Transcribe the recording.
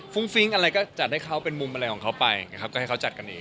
ฟิ้งอะไรก็จัดให้เขาเป็นมุมอะไรของเขาไปนะครับก็ให้เขาจัดกันเอง